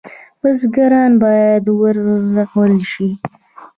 بزګران باید وروزل شي.